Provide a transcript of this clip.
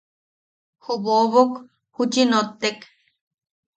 Ju bobok juchi nottek.